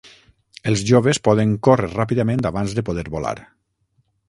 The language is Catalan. Els joves poden córrer ràpidament abans de poder volar.